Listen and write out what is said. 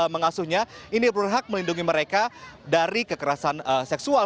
mengasuhnya ini berhak melindungi mereka dari kekerasan seksual